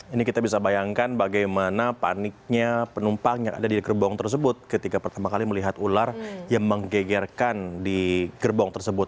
ini kita bisa bayangkan bagaimana paniknya penumpang yang ada di gerbong tersebut ketika pertama kali melihat ular yang menggegerkan di gerbong tersebut